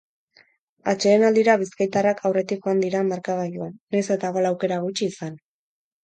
Atsedenaldira bizkaitarrak aurretik joan dira markagailuan, nahiz eta gol aukera gutxi izan.